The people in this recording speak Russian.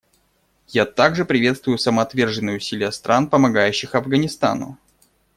Я также приветствую самоотверженные усилия стран, помогающих Афганистану.